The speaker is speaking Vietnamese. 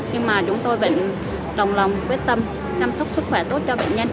nhưng mà chúng tôi vẫn đồng lòng quyết tâm chăm sóc sức khỏe tốt cho bệnh nhân